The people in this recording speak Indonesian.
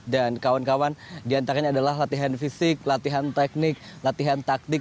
dan kawan kawan diantaranya adalah latihan fisik latihan teknik latihan taktik